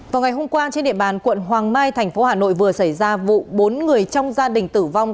vào ngày hôm qua trên địa bàn quận hoàng mai thành phố hà nội vừa xảy ra vụ bốn người trong gia đình tử vong